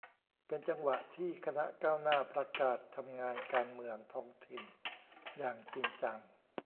เป็นจังหวะที่คณะก้าวหน้าประกาศทำงานการเมืองท้องถิ่นอย่างจริงจัง